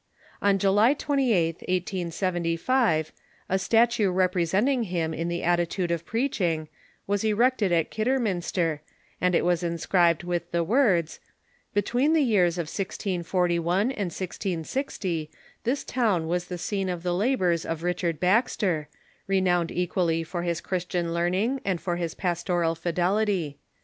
On July 28th, 1875, a statue representing him in the attitude of preaching Avas erected at Kidderminster, and it was inscribed with the Avords: "Between the years of 1641 and 1660 this town was the scene of the labors of Richard Baxter, renowned equally for his Christian learning and for his pastoral fidelity.